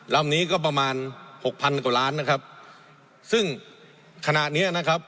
ลำนี้ก็ประมาณหกพันกว่าล้านนะครับซึ่งขณะเนี้ยนะครับ